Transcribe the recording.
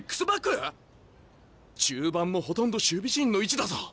中盤もほとんど守備陣の位置だぞ。